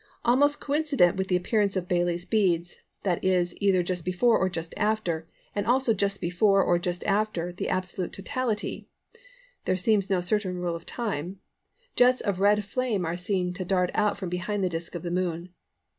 Almost coincident with the appearance of Baily's Beads, that is, either just before or just after, and also just before or just after the absolute totality (there seems no certain rule of time) jets of red flame are seen to dart out from behind the disc of the Moon.